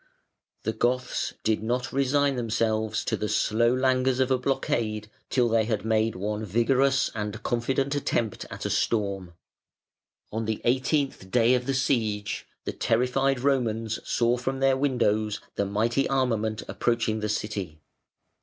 The Goths did not resign themselves to the slow languors of a blockade till they had made one vigorous and confident attempt at a storm. On the eighteenth day of the siege the terrified Romans saw from their windows the mighty armament approaching the City.